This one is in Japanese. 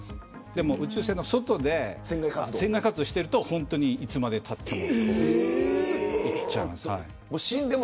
でも、宇宙船の外で船外活動をしていると本当に、いつまでたってもいっちゃいます。